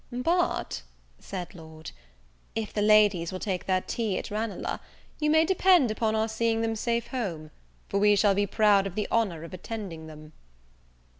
"But," said Lord , "if the ladies will take their tea at Ranelagh, you may depend upon our seeing them safe home; for we shall be proud of the honour of attending them."